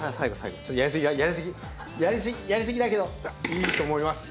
いいと思います。